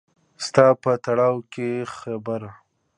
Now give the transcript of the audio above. ستا په تړو کښې خېبره